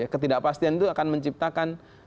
ketidakpastian itu akan menciptakan